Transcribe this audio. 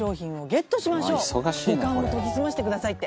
五感を研ぎ澄ませてくださいって。